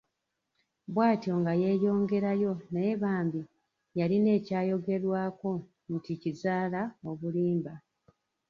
Bw'atyo nga yeeyongerayo naye bambi yalina ekyayogerwako nti kizaala obulimba.